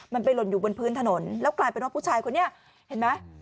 มันไปหล่นอยู่บนพื้นถนนแล้วกลายเป็นว่าผู้ชายคนนี้เห็นไหม